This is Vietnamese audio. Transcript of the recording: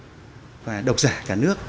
độc giả thủ đô và độc giả cả nước